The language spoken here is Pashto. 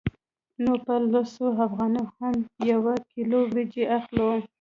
نو په لسو افغانیو هم یوه کیلو وریجې اخلو